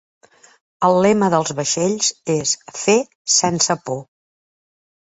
El lema dels vaixells és" Fe sense por".